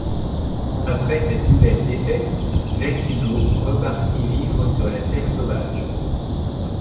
Après cette nouvelle défaite, Vertigo repartit vivre sur la Terre sauvage.